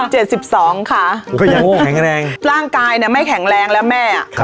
เจ็ดสิบสองค่ะโอ้โหแข็งแรงร่างกายเนี้ยไม่แข็งแรงแล้วแม่ครับ